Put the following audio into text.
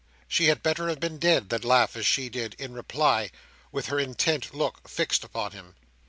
She had better have been dead than laugh as she did, in reply, with her intent look fixed upon him.